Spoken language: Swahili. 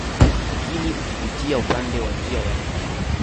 Lakini ukipitia upande wa njia ya Lindi